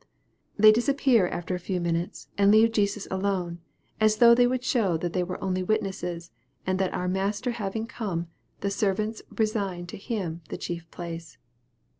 They disappear after a few minutes, and leave Jesus alone, as though they would show that they were only witnesses, and that our Master having come, the servants resign to Him the chief place.